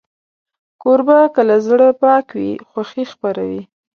کوربه که له زړه پاک وي، خوښي خپروي.